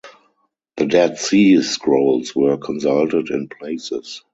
The Dead Sea Scrolls were consulted in places.